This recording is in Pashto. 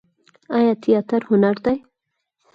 آیا تیاتر هنر دی؟